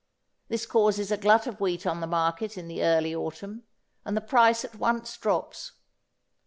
This causes a glut of wheat on the market in the early autumn, and the price at once drops.